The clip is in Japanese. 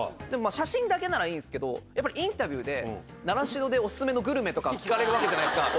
写真だけならいいんですけど、やっぱりインタビューで、習志野でお勧めのグルメとかも聞かれるわけじゃないですか。